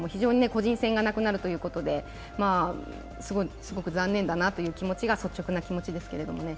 個人戦がなくなるということで、すごく残念だなという気持ちが率直な気持ちですけれどもね。